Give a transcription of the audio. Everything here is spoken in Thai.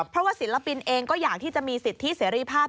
เพราะว่าศิลปินเองก็อยากที่จะมีสิทธิเสรีภาพ